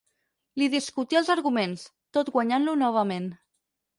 Li discutí els arguments, tot guanyant-lo novament.